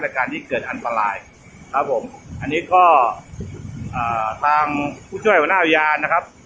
การที่เกิดอันตรายครับผมอันนี้ก็อ่าทางผู้ช่วยหัวหน้าอุทยานนะครับ